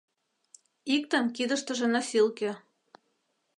Иктын кидыштыже носилке.